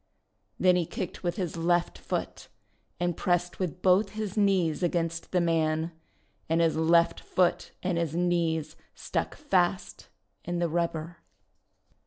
Then he kicked with his left foot, and pressed with both his knees against the man. And his left foot and his knees stuck fast in the rubber.